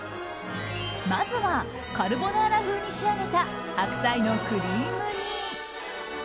まずはカルボナーラ風に仕上げた白菜のクリーム煮。